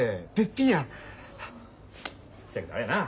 せやけどあれやな